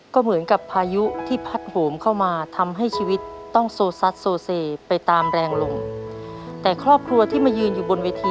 คุณพิวเกียรทึก